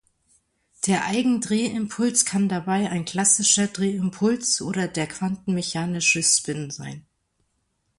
Der Eigendrehimpuls kann dabei ein klassischer Drehimpuls oder der quantenmechanische Spin sein.